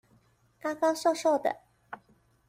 高高瘦瘦的